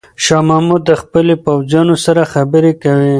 شاه محمود د خپلو پوځیانو سره خبرې کوي.